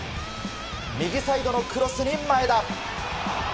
右サイドのクロスに前田。